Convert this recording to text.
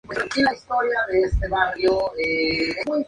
Saurio de cuerpo robusto con la cabeza con escamas espinosas.